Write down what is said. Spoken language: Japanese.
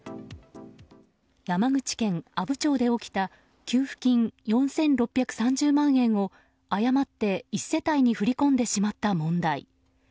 山口県阿武町で起きた給付金４６３０万円を誤って１世帯に振り込んでしまった問題。